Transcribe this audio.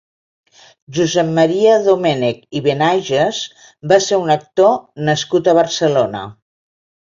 Josep Maria Domènech i Benages va ser un actor nascut a Barcelona.